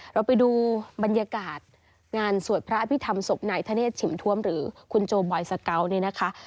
เราไปดูบรรยากาศงานสวดพระอภิษฐรรมศพนายธเนศฉิมทวมหรือคุณโจบอยสเกาะเนี่ยนะคะ